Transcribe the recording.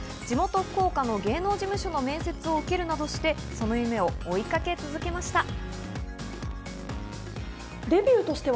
地元・福岡の芸能事務所の面接を受けるなどして、その夢を追いかけ続けました。